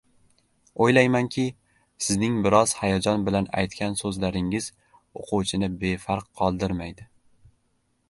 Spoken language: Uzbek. — O‘ylaymanki, sizning biroz hayajon bilan aytgan so‘zlaringiz o‘quvchini befarq qoldirmaydi.